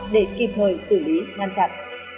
để kịp thời xử lý ngăn chặn